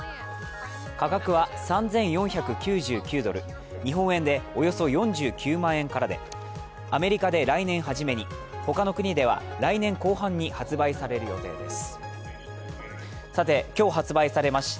価格は３４９９ドル、日本円でおよそ４９万円からでアメリカで来年初めに、他の国では来年後半に発売される予定です。